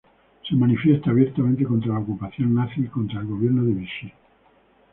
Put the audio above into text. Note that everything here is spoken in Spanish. Se manifiesta abiertamente contra la ocupación nazi y contra el gobierno de Vichy.